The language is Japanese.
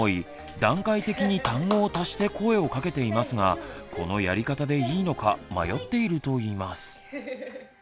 段階的に単語を足して声をかけていますがこのやり方でいいのか迷っているといいます。